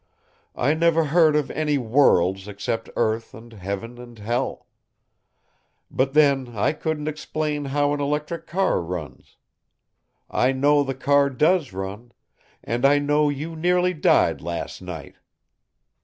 I never heard of any worlds except earth and heaven and hell. But then I couldn't explain how an electric car runs. I know the car does run; and I know you nearly died last night.